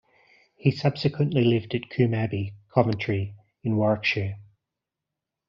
He subsequently lived at Coombe Abbey, Coventry in Warwickshire.